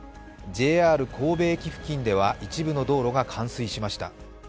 ＪＲ神戸駅付近では一部の道路が冠水しました。